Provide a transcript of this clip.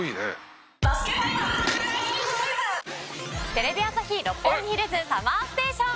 テレビ朝日・六本木ヒルズＳＵＭＭＥＲＳＴＡＴＩＯＮ。